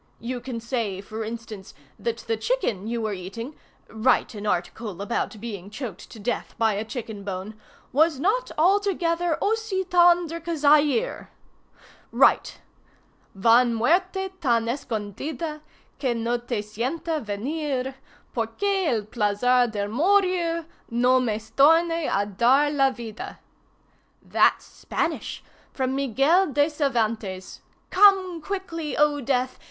You can say, for instance, that the chicken you were eating (write an article about being choked to death by a chicken bone) was not altogether aussi tendre que Zaire. Write! 'Van muerte tan escondida, Que no te sienta venir, Porque el plazer del morir, No mestorne a dar la vida.' "That's Spanish—from Miguel de Cervantes. 'Come quickly, O death!